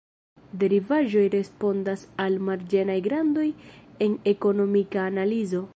Derivaĵoj respondas al marĝenaj grandoj en ekonomika analizo.